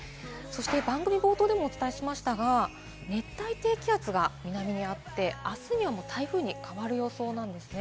番組冒頭でもお伝えしましたが、熱帯低気圧が南にあって、あすには台風に変わる予想なんですね。